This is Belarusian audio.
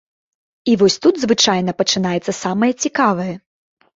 І вось тут звычайна пачынаецца самае цікавае.